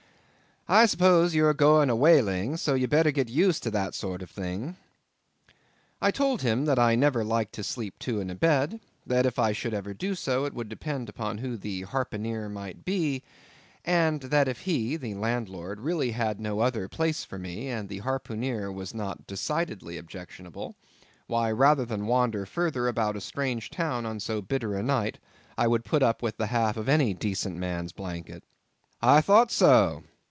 I s'pose you are goin' a whalin', so you'd better get used to that sort of thing." I told him that I never liked to sleep two in a bed; that if I should ever do so, it would depend upon who the harpooneer might be, and that if he (the landlord) really had no other place for me, and the harpooneer was not decidedly objectionable, why rather than wander further about a strange town on so bitter a night, I would put up with the half of any decent man's blanket. "I thought so.